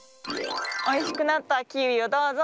おいしくなったキウイをどうぞ。